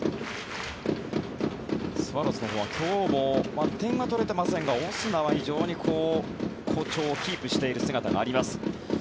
スワローズのほうは今日も点が取れていませんがオスナは非常に好調をキープしている姿があります。